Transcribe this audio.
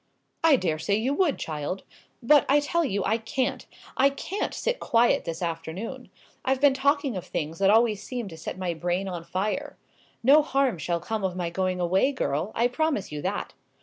"I dare say you would, child. But I tell you, I can't. I can't sit quiet this afternoon. I've been talking of things that always seem to set my brain on fire. No harm shall come of my going away, girl; I promise you that.